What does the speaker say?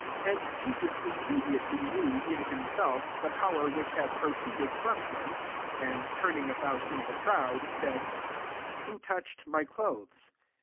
SO And Jesus immediately knew, in himself, the power which had proceeded from him, and turning about in the crowd, said» " Who touched my clothes?"